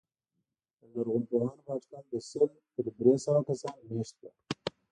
د لرغونپوهانو په اټکل له سل تر درې سوه کسان مېشت وو.